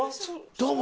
どうも。